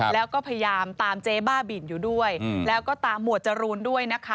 แล้วก็พยายามตามเจ๊บ้าบินอยู่ด้วยแล้วก็ตามหมวดจรูนด้วยนะคะ